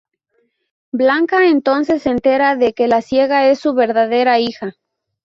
Blanca entonces se entera de que la ciega es su verdadera hija.